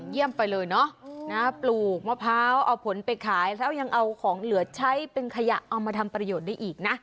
เยี่ยมไปเลยเนาะปลูกมะพร้าวเอาผลไปขายแล้วยังเอาของเหลือใช้เป็นขยะเอามาทำประโยชน์ได้อีกนะ